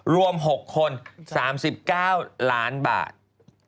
รวม๖คน๓๙ล้านบาท